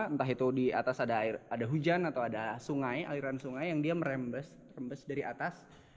entah itu di atas ada hujan atau ada sungai aliran sungai yang dia merembes rembes dari atas